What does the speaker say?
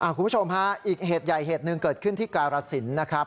คุณผู้ชมฮะอีกเหตุใหญ่เหตุหนึ่งเกิดขึ้นที่การสินนะครับ